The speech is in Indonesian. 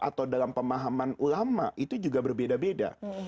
atau dalam pemahaman ulama itu juga berbeda beda